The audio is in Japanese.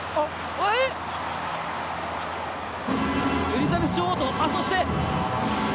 エリザベス女王とそして。